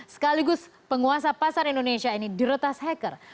sekaligus penguasa pasar indonesia ini diretas hacker